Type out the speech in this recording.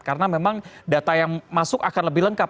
karena memang data yang masuk akan lebih lengkap